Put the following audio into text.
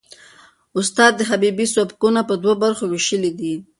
استاد حبیبي سبکونه په دوو برخو وېشلي دي.